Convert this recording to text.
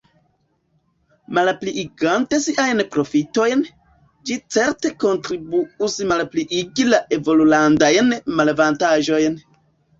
Malpliigante siajn profitojn, ĝi certe kontribuus malpliigi la evolulandajn malavantaĝojn!